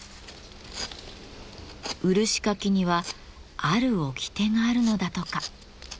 漆かきにはある掟があるのだとか。